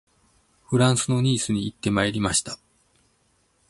フランスのニースに行ってまいりました